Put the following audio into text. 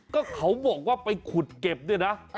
ก็เขาบอกว่าไปขุดเก็บด้วยนะ